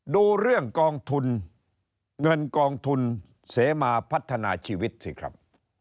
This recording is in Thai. ดูเรื่องกองทุนเงินกองทุนเสมาพัฒนาชีวิตสิครับ